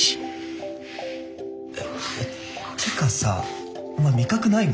てかさお前味覚ないの？